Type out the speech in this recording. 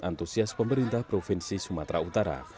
antusias pemerintah provinsi sumatera utara